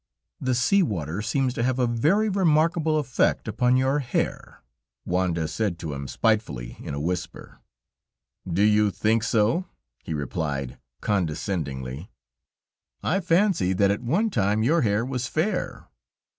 "The sea water seems to have a very remarkable effect upon your hair," Wanda said to him spitefully, in a whisper. "Do you think so?" he replied, condescendingly. "I fancy that at one time your hair was fair."